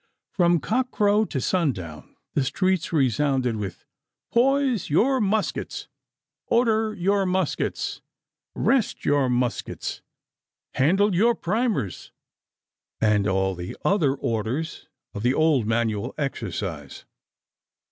From cock crow to sun down the streets resounded with 'Poise your muskets! Order your muskets! Rest your muskets! Handle your primers!' and all the other orders of the old manual exercise.